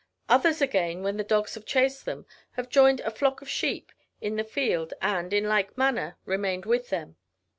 Others, again, when the dogs have chased them, have joined a flock of sheep in the field, and, in like manner, remained with them.